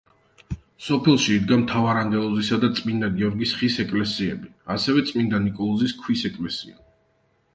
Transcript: სოფელში იდგა მთავარანგელოზისა და წმინდა გიორგის ხის ეკლესიები, ასევე წმინდა ნიკოლოზის ქვის ეკლესია.